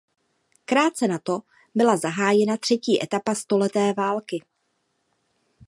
Krátce nato byla zahájena třetí etapa stoleté války.